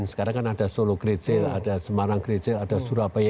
sekarang kan ada solo great sail ada semarang great sail ada surabaya